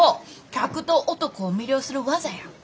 客と男を魅了する技や。